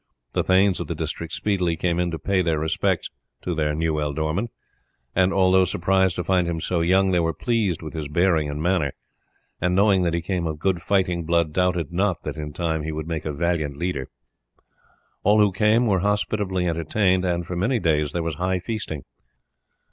The thanes of the district speedily came in to pay their respects to their new ealdorman, and although surprised to find him so young, they were pleased with his bearing and manner, and knowing that he came of good fighting blood doubted not that in time he would make a valiant leader. All who came were hospitably entertained, and for many days there was high feasting.